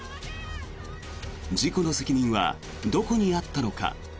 事故の責任はどこにあったのか。